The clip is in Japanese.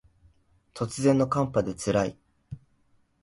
突然の寒波で辛い